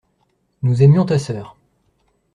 Nous aimions ta sœur.